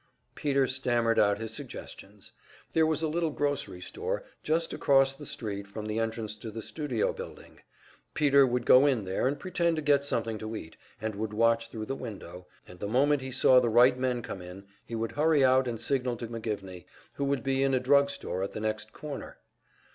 Peter stammered out his suggestions. There was a little grocery store just across the street from the entrance to the studio building. Peter would go in there, and pretend to get something to eat, and would watch thru the window, and the moment he saw the right men come in, he would hurry out and signal to McGivney, who would be in a drugstore at the next corner.